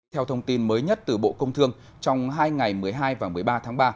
theo thông tin mới nhất từ bộ công thương trong hai ngày một mươi hai và một mươi ba tháng ba